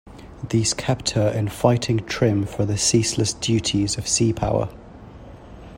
These kept her in fighting trim for the ceaseless duties of seapower.